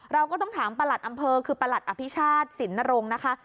เราก็ต้องถามประหลัดอำเภอคือประหลัดอภิชาติสินนรงค์นะคะ